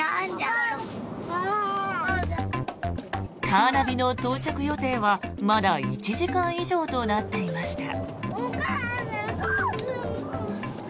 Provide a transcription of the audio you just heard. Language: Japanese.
カーナビの到着予定はまだ１時間以上となっていました。